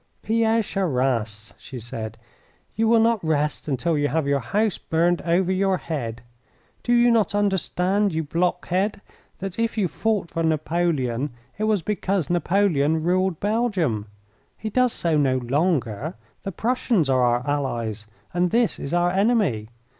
"Pierre Charras," she said, "you will not rest until you have your house burned over your head. Do you not understand, you blockhead, that if you fought for Napoleon it was because Napoleon ruled Belgium? He does so no longer. The Prussians are our allies and this is our enemy.